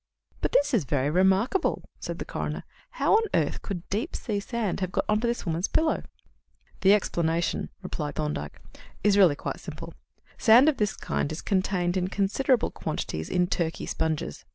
"But this is very remarkable," said the coroner. "How on earth could deep sea sand have got on to this woman's pillow?" "The explanation," replied Thorndyke, "is really quite simple. Sand of this kind is contained in considerable quantities in Turkey sponges.